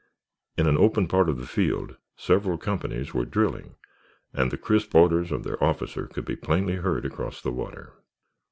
In an open part of the field several companies were drilling and the crisp orders of their officer could be plainly heard across the water.